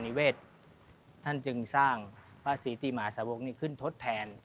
ผู้จัดสิ่งสร้างพระศรีติมาสะโวกนี่ขึ้นทดแทน